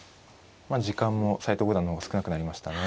まあ時間も斎藤五段の方が少なくなりましたね。